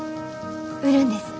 売るんです。